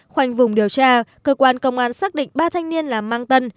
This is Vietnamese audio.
khoanh vùng điều tra cơ quan công an xác định ba thanh niên là mang tân